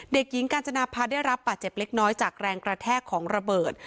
เด็กหญิงกาญจนาภาได้รับบาดเจ็บเล็กน้อยจากแรงกระแทกของระเบิด